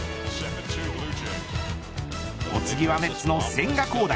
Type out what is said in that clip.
お次はメッツの千賀滉大。